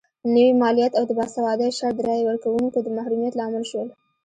نوي مالیات او د باسوادۍ شرط د رایې ورکونکو د محرومیت لامل شول.